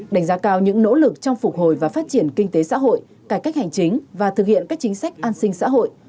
đánh giá cao những nỗ lực trong phục hồi và phát triển kinh tế xã hội cải cách hành chính và thực hiện các chính sách an sinh xã hội